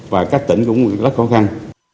và các tỉnh cũng rất khó khăn